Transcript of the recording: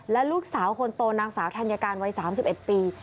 และลูกสาวคนโตนางสาวธัญการวัย๓๑ปี